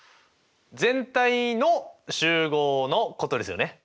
全体の集合のことですよね。